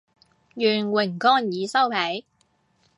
願榮光已收皮